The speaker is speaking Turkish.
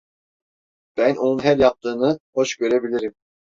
Ben onun her yaptığını hoş görebilirim…